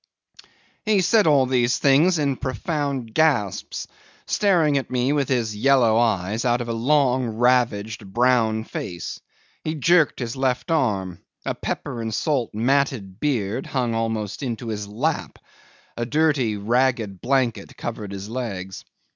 'He said all these things in profound gasps, staring at me with his yellow eyes out of a long, ravaged, brown face; he jerked his left arm; a pepper and salt matted beard hung almost into his lap; a dirty ragged blanket covered his legs.